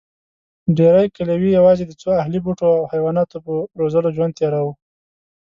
ډېرې کلیوې یواځې د څو اهلي بوټو او حیواناتو په روزلو ژوند تېراوه.